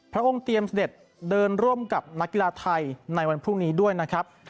พระองค์เตรียมเสด็จเดินร่วมกับนักกีฬาไทยในวันพรุ่งนี้ด้วยนะครับ